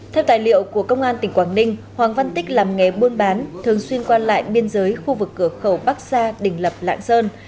theo tài liệu của công an tỉnh quảng ninh hoàng văn tích làm nghề buôn bán thường xuyên quan lại biên giới khu vực cửa khẩu bắc gia đình lập lạng sơn